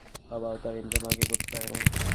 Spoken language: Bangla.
বাবাও তার ইনকাম আগে করতে পারে নাই।